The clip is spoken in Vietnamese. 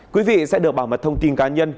quý vị sẽ được bảo mật thông tin cá nhân